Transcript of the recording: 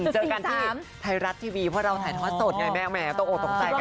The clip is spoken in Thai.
เจอกันที่ไทยรัฐทีวีเพราะเราถ่ายทอดสดไงแม่ตกออกตกใจกัน